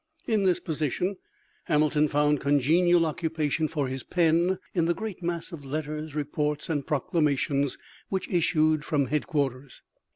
In this position Hamilton found congenial occupation for his pen in the great mass of letters, reports, and proclamations which issued from headquarters.